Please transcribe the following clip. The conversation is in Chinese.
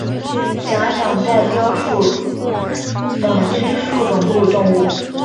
假掌袋貂属等之数种哺乳动物。